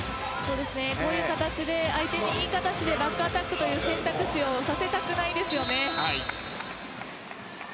こういう形で相手にいい形でバックアタックという選択肢をさせたくないですよね。